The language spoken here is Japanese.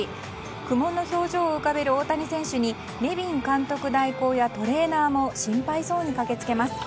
苦悶の表情を浮かべる大谷選手にネビン監督代行やトレーナーも心配そうに駆けつけます。